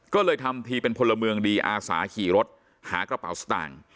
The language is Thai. ก็เลยทำทีเป็นพลเมืองดีอาสาขี่รถหากระเป๋าสตางค์